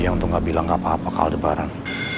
untuk gak bilang apa apa ke aldebaran